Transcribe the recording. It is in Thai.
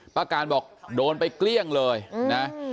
การบอกโดนไปเกลี้ยงเลยนะ